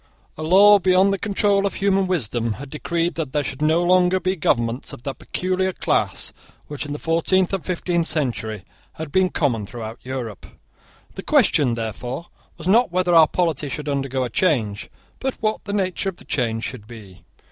A law, beyond the control of human wisdom, had decreed that there should no longer be governments of that peculiar class which, in the fourteenth and fifteenth centuries, had been common throughout Europe. The question, therefore, was not whether our polity should undergo a change, but what the nature of the change should be.